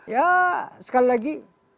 ya sekali lagi